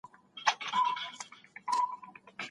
مثبت ملګري د ژوند سرمایه ده.